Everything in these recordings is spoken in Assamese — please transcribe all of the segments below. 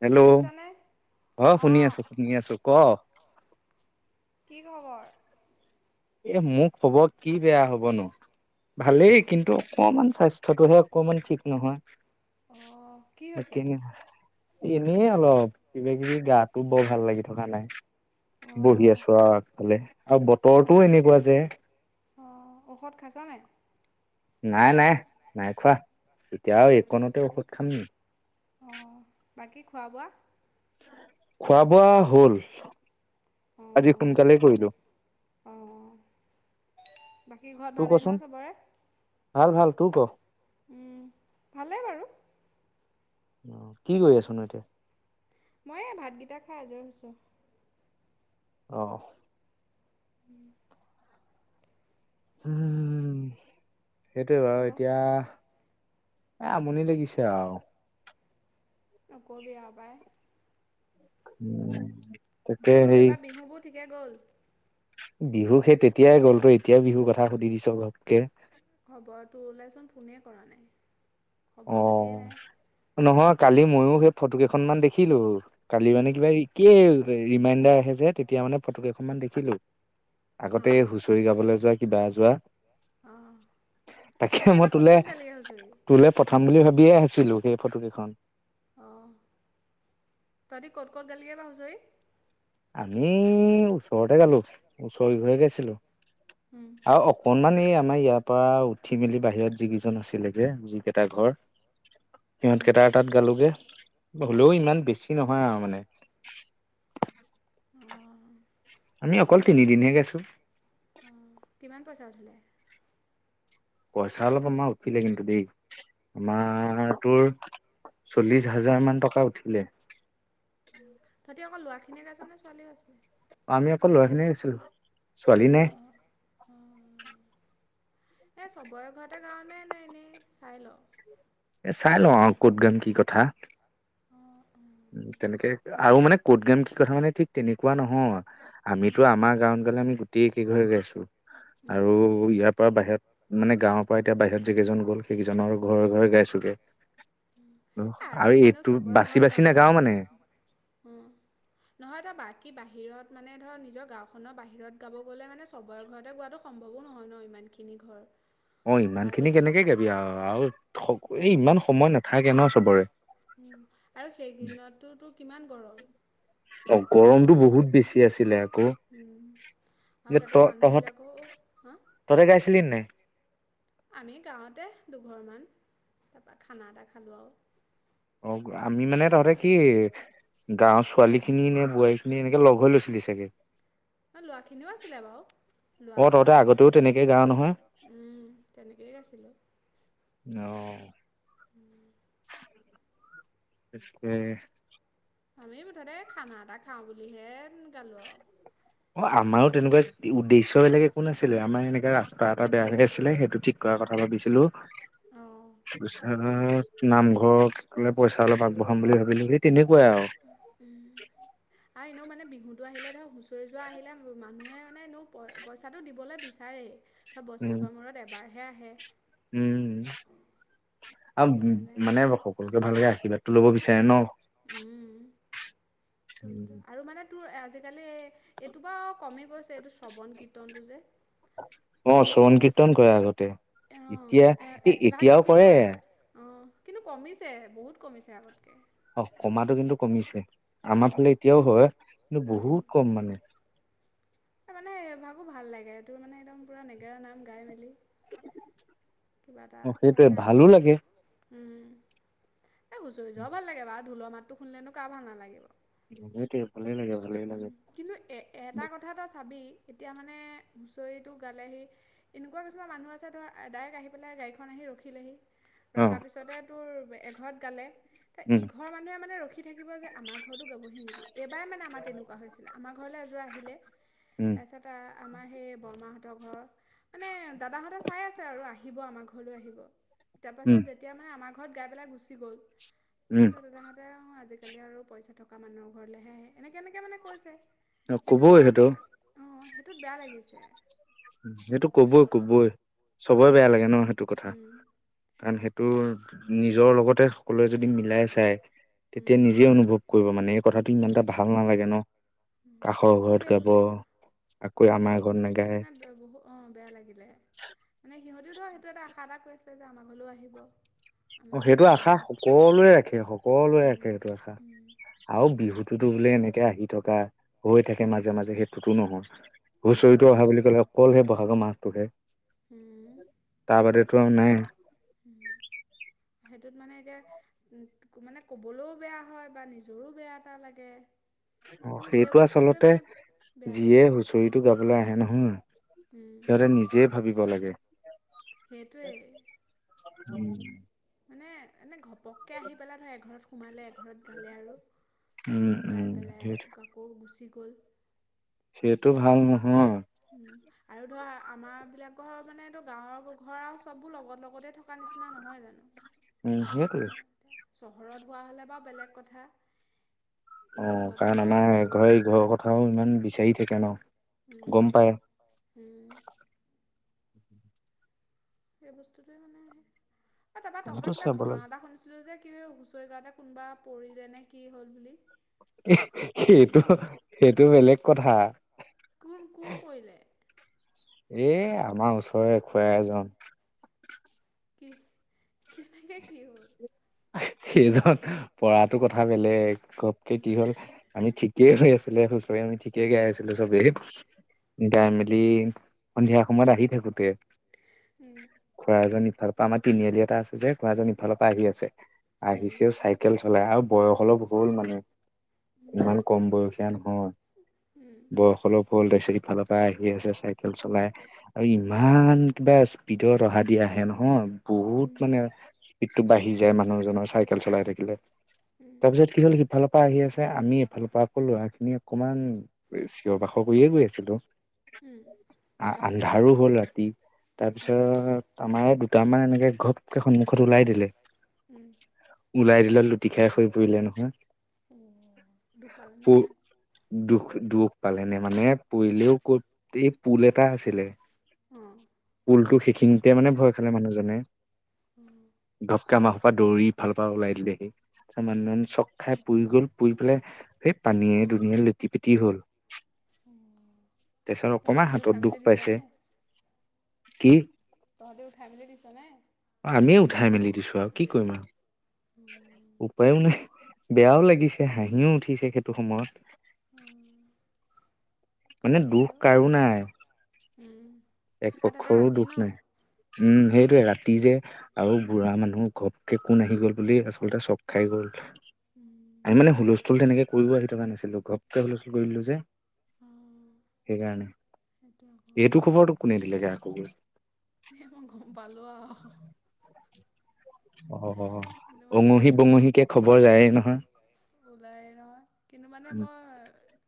হেল্ল', শুনিছনে? অ', শুনি অঁ আছো, - শুনি আছো ', ক', কি খবৰ? এ', মোৰ খবৰ কি', বেয়া হ'ব নো', ভালেই কিন্তু অকণমান স্বাস্থ্য, চত হে অকমান ঠিক নহয়। অঁ কি হৈছে? তাকেই নে। এনে অলপ কিবা -কিবি গাটো বৰ ভাল-লাগি থকা নাই। বহি অঁ আছো আৰু আগফালে আৰু বতৰ পোৱা যে অহ, ঔষধ খাইছ নে? নাই-নাই, নাই খোৱা। এতিয়াও এইকণতে ঔষধ খাম নেক? বাকী খোৱা-বোৱা? খোৱা-বোৱা হ'ল। অঁ আজি অঁ সোনকালেই কৰিলো, অঁ বাকী ঘৰত ভালেই নহয় তোৰকছোন? চবৰে? ভাল? তোৰ কহ? উম', ভালেই বাৰু। অহ, কি কৰি আছনো এতিয়া? মই ভাতকেইটা খাই আজৰি হৈছো। অহ উম উম সেইটোৱে বাৰু তাৰপা এতিয়া এ আমনি লাগিছে আৰু। নকবি আ পায়। উম তাকে তোৰ হেৰি এইবাৰ বিহু বোৰ ঠিকে গ'ল? বিহু সেই তেতিয়াই গ'ল, তই এতিয়াই বিহু কথা সুধি দিছ ঘপকে। খবৰটো ওলাইচোন ফোনে কৰা নাই। অ খবৰ খাতিয়ে নাই। নহয় কালি মইয়ো সেই ফটো কেইখন মান দেখি। খিলো কালি মানে অঁ কিবা [unintelligible] ৰিমাইণ্ডাৰ আহে যে তেতিয়া মানে ফটো কেইখনমান দেখিলো। আগতে হুঁচৰি গাবলৈ যোৱা কি বা যোৱা। অ ততি এইবাৰ ক'ত-ক'ত গালিগে হুঁচৰি? খাম বুলি ভাবিয়ে আছিলো সেই ফটো কেইখন। অঁ তহঁতি ক'ত-ক'ত গালিগৈ বাৰ হুঁচৰি? আমি ওচৰতে গালো, ওচৰ কেইঘৰে গাইছিলো। উম আৰু অকনমান এই আমাৰ ইয়াৰ পৰা উঠি মেলি বাহিৰত যিকেইজন আছিলে যে যিকেইটা ঘৰ। সিহঁত উম কেইটাৰ তাত গালোগে। হ'লেও ইমান বেছি নহয় আৰু মানে অঁ আমি অকল তিনিদিনহে গাইছো অ কিমান পইচা উঠিলে পইচা অলপ মান উঠিলে কিন্তু দেই আমাৰ তোৰ চল্লিশ হাজাৰ মান টকা উঠিলে তহঁতি অকল লোৱা সনেকাজনে [unintelligible] ছোৱালীও আছিলে চিলো ছোৱালী নাই অ এই চবৰে ঘৰতে গাৱ নে নে এনেই চাই ল এ চাই ল আৰু ক'ত গাম কি কথা অঁ অঁ উ তেনেকে আৰু মানে ক'ত গাম কি কথা মানে ঠিক তেনেকুৱা নহয় আমিতো আমাৰ গাঁওত গ'লে আমি গোটেই কি ঘৰে গাইছো আৰু ইয়াৰ পৰা বাহিৰত মানে গাঁওৰ পৰা এতিয়া বাহিৰত যিকেইজন গ'ল সেইকেইজনৰ ঘৰে ঘৰে গাইছো তোকে এ আৰু মানে এনে চবৰে বাচি ঘৰত বাচি গাবলে নাগাও ক, মানে নহয় ত বাকী বাহিৰত মানে ধৰ নিজৰ গাঁওখনৰ বাহিৰত গাব গ'লে মানে সবৰে ঘৰতে গোৱাতো সম্ভৱো নহয় ন ইমান খিনি ঘৰ অ ইমান আৰু খিনি কেনেকে গাবি আৰু আৰু এই ইমান সময় নাথাকে ন চবৰে উম আৰু সেইদিনতো টু কিমান গৰম? অ গৰমতটো গৰমটোও বেছি বহুত আছিলে আকৌ উ, আৰু যে ত তাতে তহঁত মানুহবিলাকো হা, তহঁতে গাইছিলি নাই আমি গাঁওতে দুঘৰমান। তাৰ পৰা খানা এটা খালোঁ আৰু। অ আমি মানে তহাঁতে কি, গাঁওৰ ছোৱালীখিনি নে বোৱাৰীখিনি এনেকে লগ হৈ লৈছিলি চাগে! ল'ৰাখিনিও আছিলে বাৰু, ল'ৰা অ তহঁতে ছোৱালী আগতেও চবেই তেনেকে গাও নহয় মিলি তেনেকেই আছিলোঁ। অ' তাকে! আমি মুঠতে খানা এটা খাওঁ বুলিহে গালো আৰু। অ আমাৰো তেনেকুৱা উদ্দেশ্য বেলেগ একো নাছিলে, আমাৰ এনেকে ৰাস্তা এটা বেয়া হৈ আছিলে সেইটো ঠিক কৰাৰ কথা ভাবিছিলোঁ। আৰু অঁ নামঘৰলে পইচা অলপ আগবঢ়াম বুলি ভাবিলোঁ তেনেকুৱা উম! আৰু এনেও মানে বিহুতটো আহিলে দেখোন, হুঁচৰি যোৰা আহিলে, মানুহে মানে এনেও প-পইচাটো দিবলৈ বিচাৰেই। হয় উম বছৰেকৰ মূৰত এবাৰ হে হে আহে। উম। সেইটো আৰু কাৰণে মানে সকলোকে ভালকে আহি আশিৰ্বাদটো ল'ব বিচাৰে ন? উম, আৰু মানে তোৰ আজিকালি এইটো বাৰু কমি গৈছে, এইটো শ্ৰৱণ কীৰ্তনটো যে। অ শ্ৰৱণ কীৰ্তন কৰে আগতে। অঁ এতিয়া, এ এই এ- এভাগ এতিয়াও দেখিলোঁ কৰে। বাৰু এবাৰ অঁ কিন্তু কমিছে বহুত কমিছে আগতকৈ। অ কমাটো কিন্তু কমিছে। আমাৰ উম ফালে এতিয়াও হয়। কিন্তু উম বহুত কম মানে। মানে ভাকো ভাল লাগে তোৰ মানে একদম পুৰা নেগেৰা নাম গাই মেলি [unintelligible] কিবা এটা অ সেইটোৱে মানে ভালো লাগে উম। এ হুঁচৰি যোৱা ভাল লাগে বাত ঢোলৰ মাতো শুনেলে কাৰা ভাল নালাগিব? সেইটোৱে ভালে লাগে ভালে উ লাগে কিন্তু এ এটা কথা এটা চাবি এতিয়া মানে হুঁচৰিটো গালেহি এনেকুৱা কিছুমান মানুহ আছে ধৰ ডাইৰেক্ট আহি পেলাই গাড়ীখন আহি ৰখিলেহি। অ ৰখাৰ পিছতে তোৰ ঘৰত গালে ত উম ইঘৰ মানুহে মানে ৰখি ৰখি থাকিব যে আমাৰ ঘৰতো গাবহি নেকি? এইবাৰ মানে আমাৰ তেনেকুৱা হৈছিলা। আমাৰ ঘৰলৈ এযোৰ আহিলে। উম তাৰ পিছত আমাৰ সেই বৰমাহত ৰ ঘৰ মানে দাদাহঁতে চাই আছে আৰু আহি আহিব আমাৰ ঘৰলৈ আহিব। তাৰ পাছত উম যেতিয়া মানে আমাৰ ঘৰত গাই পেলাই গুচি গ'ল। উম আৰু তাহতে অ আজিকালি আৰু পইচা থকা মানুহৰ ঘৰলেহে আহে এনেকে এনেকে মানে কৈছে। অ কবই সেইটোত মানে বে সেইটো অ টোত বেয়া লাগিছে সেইটো ক'বই ক'বই চবৰে বেয়া উম লাগে ন সেইটো কথা উম কাৰণ সেইটোৰ নিজৰ লগতে সকলোৱে যদি মিলাই চাই তেতিয়া উম নিজে অনুভৱ কৰিব মানে কথাটো ইমান এটা ভাল নেলাগে ন উম কাষৰ মোৰ ঘৰত সেই গাব বস্তু আকৌ মোৰ সেই আমাৰ ঘৰত বস্তুটো দেখি নেগায় মানে বহুত অ বেয়া লাগিলে মানে সিহঁতে টো সেইটো এটা আশা এটা কৰিছিলে যে আমাৰ ঘৰলৈ ও আহিব অ আমিও কিবা সেইটো এটা আশা দিম সকলোৱে ৰাখে সকলোৱে ৰাখে উম সেইটো আশা উম আৰু বিহুত বিহুত টো বোলে এনেকে আহি থকা হৈ থাকে উম মাজে মাজে সেইটোতো নহয় নহয় হুচৰিতো অহা বছৰেকৰ বুলি ক'লে মূৰত। অকলহে বহাগৰ মাাহটোহে উম তাৰ বাদেতো আৰু নাই উম সেইটোত মানে এতিয়া উ মানে কবলৈও বেয়া হয় বা নিজৰো বেয়া এটা লাগে। অ মোৰ সেই সেইটো আছে বস্তুটোৱে আচলতে মানে বেয়া যিয়ে লাগিলে হুঁচৰিটো গাবলে আহে নহয়। সিহঁতে নিজে ভাবিব লাগে। সেইটোৱে উম মানে এনে ঘপককে আহি পেলাই ধৰক এঘৰত সোমালে গালে উম আৰু উম গাই পেলাই সেই আকৌ গুচি গ গ'ল সেইটো ভাল নহয় উম আৰু ধৰা আমাৰাবিলাক ঘৰ মানেতো গাঁৱৰ ঘৰ আৰু চববোৰ লগত লগতে। থকা নিচিনা নহয় জানো উম সেইটোৱে চহৰত হোৱা হ'লে বা বেলেগ কথা অ ইটো ঘৰৰ পৰা কাৰণ সিটো আমাৰ ঘৰলৈ দূৰ ইঘৰে হয় সি ঘৰৰ কথাও ইমান বিচাৰি থাকে ন গম উম পাই হম সেই বস্তুটোৱে মানে এ তাপা সেইটো তহঁতৰ কিবা চাব লাগে ঘটনা এটা শুনিছিলো যে হুচৰি গাওঁতে কোনোবা পৰিলে নে কি হ'ল বুলি। সেইটো সেইটো বেলেগ কথা। কোন কোন পৰিলে? এ আমাৰ ওচৰৰে খুৰা এজন। কি কেনেকে কি হল? সেইজন পৰাতো কথা বেলেগ ঘপকে কি হল আমি ঠিকেই হৈ আছিলে হুচৰি আমি ঠিকেই গাই আছিলো চবেই গাই মেলি সন্ধিয়া সময়ত আহি থাকোতে। উম, খোৱা জনি ইফালৰ পৰা আমাৰ তিনিআলি এটা আছে ঘঁ এন ইফালৰ পৰা আহি আছে উম, আহিছেও চাইকেল আৰু বয়স অলপ হ'ল মানে, ইমান কম বয়সিয়া ন উম। বয়স অলপ ফালৰ পৰা আহি আছে চাইকেল চলাই আৰু ইমান কিবা স্পীডত অহা দি আহে নহয়। বহুত মানে এক টো বাহি যে মানুহজনৰ চাইকেল চলাই থাকিলে তাৰপিছত কি হ'ল সিফালৰ পৰা আহি আছে আমি এফালৰ পৰা আকৌ লৰা খিনি অকমান চিঞৰ বাাখৰ কৰিয়ে গৈ আছিলো অ। আন্ধাৰো হ'ল ৰাতি তাৰপিছত আমাৰে দু আমা এনেকে ঘপকেই সন্মুখত ওলাই দিলে। ওলাই দিলে লুটি খাই হৈ পৰিলে নহয়, ও দুখ প পালেনে দুখ দুখ পালেনে মানে পৰিলেও ক এই পুল এটা আছিলে। অহ পুল টো সিখিনীতে মানে ভয় খালে মানুহজনে উম। ঘপকে আামাৰ ঘৰপা দৌৰি ইফালপা ওলাই দিলেহি। মানুহজন চক খাই পুই গ'ল পুই পেলাই সেই পানীয়ে দুনিয়ে লেটি পেটি হল। তাৰপিছত অকমান তহততে হাতত উঠাই দুখ মেলি দিছ পাইছে নে? কি তহঁতে উঠাই মেলি দিছ নে? আমিয়ে উঠাই মেলি দিছো আৰু কি কৰিম উম আৰু উপায়ও নাই। বেয়াও লাগিছে হাঁহিও উঠিছে সেইটো সময়ত। [inaudible] মানে হয় দুখ অ। কাৰো নাই। উম। এক আৰু তাতে পক্ষৰো ৰাতি দুখ ন অঁ নাই উম সেইটোয়ে ৰা তি যে আৰু বুঢ়া মানুহ ঘপকে কোন আহি গ'ল বুলি আচলতে চখ খাই গ'ল আ মানে হুলস্থুল তেনেকে কৰিব আহি থকা নাছিলো ঘপকে হলো গলো যে সেইকাৰণে এইটো খবৰ তোক এ মই গম পালো আও অ কিন্তু মানে অঙহী বঙহীকে খবৰ যায়ে নহয় ওলাই নহয় কিন্তু মানে মই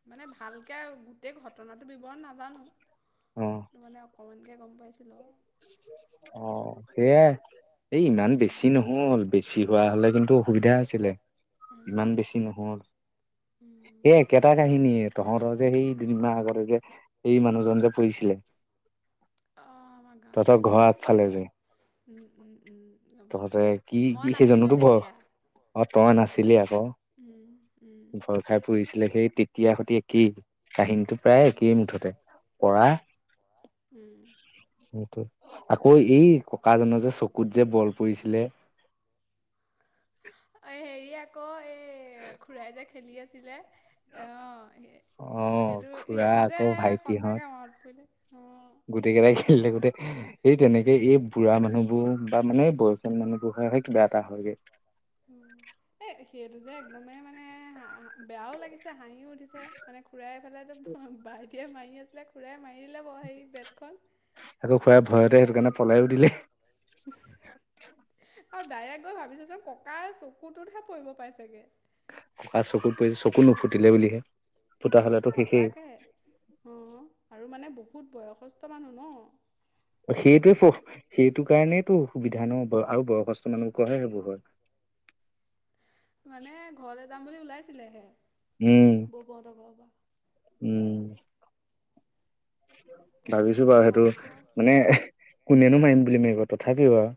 মানে ভালকে আৰু গোটেই ঘটনাটো ব্যৱৰণ নাজানো অ মানে অকণমানকে গম পাইছিলো আও অ সেয়াই এই ইমান বেছি নহ'ল বেছি হোৱা হ'লে কিন্তু অসুবিধা আছিলে ইমান বেছি নহল এই একেটা কাহিনীয়ে তহঁতৰ যে সেই দুদিন মান আগতে যে সেই মানুহজন যে পঢ়ছিলে তহঁতৰ ঘৰ আগফালে যে উম, উম, উম, গম পাইছোঁ। তহঁতে কি মই কি নাছিলোঁ সেইজনোতো ভয় তেতিয়া। অ তই নাছিলি আকৌ উম, উম, ভয় খাই পৰিছিল সেই তেতিয়াৰ সতে একেই কাহিনীটো প্ৰায় উম। একেই মুঠতে পৰা উম আ ঐ এই ককা জনৰ যে চকুত যে বল পৰিছিলে অ হেৰিয়া গ এক খুৰাই যে খেলি আছিলে অ স অ সেইটো খুৰা সেইটো যে আকৌ ভাইটিহঁত সঁচাকে মনত পৰিলে উম গোটেই কেইটাই খেলিলে গোটেই সেই তেনেকে এই বুঢ়া মানুহবোৰ বা মানে বয়সীয়াল মানুহবোৰ হে কিবা এটা হয়গে এ সেইটো যে একদমেই মানে হ বেয়াও লাগিছে হাঁহিও উঠিছে মানে খুৰাই পেলাই হ বাই মাৰি আছিল খুৰাই মাৰি দিলে বাৰু হেৰি বেটখন আকৌ খুৰাই ভয়তে সেইটো তাৰ কাৰণে পলাইও দিলে আৰু ডাইৰেক গৈ ভাবিচাসুন ককাৰ চকুটোতহে পৰিব পাইছেগে। ককা চকুত পৰি চকু নুফুটিলে বুলিহে। ফুটা হলেতো শেষেই সচাকে অ আৰু মানে বুত বহুত বয়সস্থ মানুহ ন। সেইটোৱে সেইটো কাৰণেইটো অসুবিধা ন আৰু বয়সস্থ মানুহ বুকৰ হে সেইবোৰ হয়। মানে ঘৰলে যাম বুলি ওলাইছিলেহে। উম ব'ব হেটৰ ঘৰপা। উম। তাৰপা ভাবিছো তেনেকুৱা বাৰু হোৱা সেইটো দেখি আৰু মানে কোনেনো মাৰিম বুলি মাৰিব তথাপিও আৰু।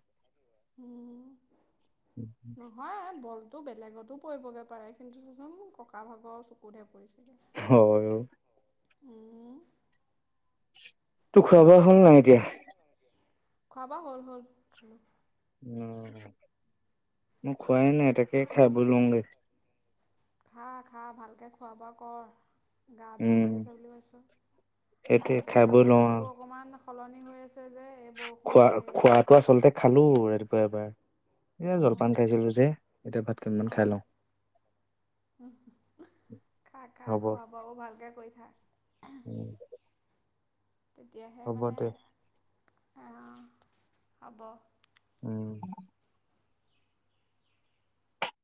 উম নহয় বল টো বেলেগতো পৰিবগে পাৰে কিন্তু জানো ককা ভাগৰ চকুতহে পৰিছে। হয়। উ তোৰ খোৱা বোৱা হ'ল নাই এতিয়া? খোৱা বোৱা হ'ল হ'ল, খালো। উ মই খোৱাই নাই, তাকেই খাবলৈ লওগে। খা খা ভালকে খোৱা বোৱা কৰ। গা বেয়া উম হৈ আছে বুলি কৈছোঁ আৰু সেইটোৱে তাতে খাই এতিয়া বৈ লওঁ আৰু বতৰটো অকণমান সলনি হৈ আছে যে এই বৰষুণ খোৱা দিছে এই ৰ'দ খোৱাটো দিছে আচলতে খালো ৰাতিপুৱা এবাৰ। এ জলপান অঁ খাইছিলো যে এতিয়া ভাত অকনমান খাই অঁ লওঁ, খা খা হ'ব। খোৱা বোৱাবোৰ ভালকৈ কৰি থাক তেতিয়াহে হ'ব মানে দে আহ, হব। উম।